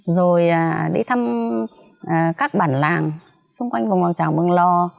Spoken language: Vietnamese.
rồi đi thăm các bản làng xung quanh vùng hoàng trào mường lò